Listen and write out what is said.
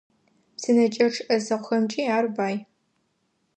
Псынэкӏэчъ ӏэзэгъухэмкӏи ар бай.